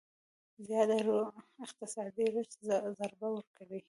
زياده روي اقتصادي رشد ضربه ورکوي.